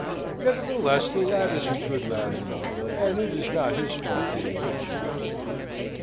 Nevertheless, the lad is a good lad enough, and it is not his fault being rich, you know."